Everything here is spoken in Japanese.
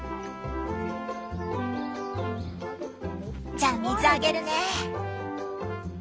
じゃあ水あげるね！